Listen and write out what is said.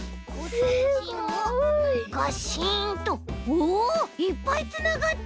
おおいっぱいつながった！